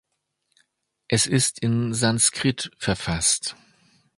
Es ist in Sanskrit verfasst.